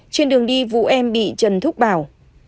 trên đường đi vũ em bị trần thúc bảo